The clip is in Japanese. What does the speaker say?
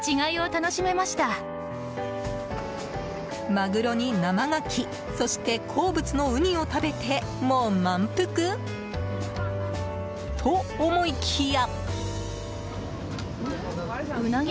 マグロに生ガキ、そして好物のウニを食べてもう満腹？と、思いきや。